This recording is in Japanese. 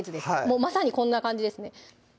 まさにこんな感じですね